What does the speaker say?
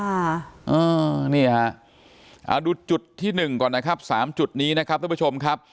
อ่านี่ฮะอ่าดูจุดที่หนึ่งก่อนนะครับสามจุดนี้นะครับท่านผู้ชมครับ